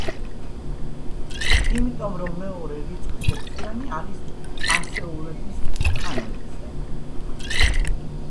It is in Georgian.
იმიტომ, რომ მეორე რიცხვის ექვსიანი არის ასეულების თანრიგზე.